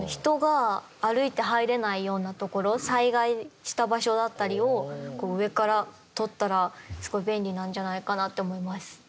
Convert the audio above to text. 人が歩いて入れないような所災害した場所だったりを上から撮ったらすごい便利なんじゃないかなって思います。